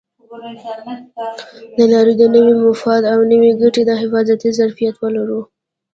د نړۍ د نوي مفاد او نوې ګټې د حفاظت ظرفیت ولرو.